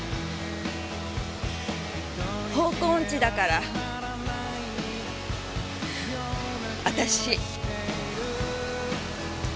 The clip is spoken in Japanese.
方向音痴だから私。